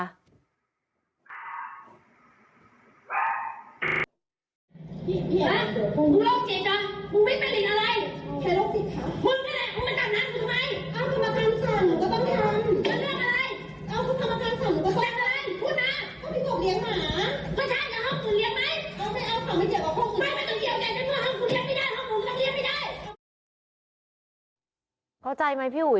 อิ๊ะอุลกจีบหรอมึงไม่เป็นลินอะไร